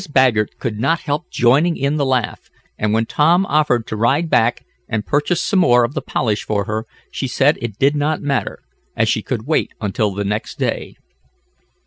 Baggert could not help joining in the laugh, and when Tom offered to ride back and purchase some more of the polish for her, she said it did not matter, as she could wait until the next day.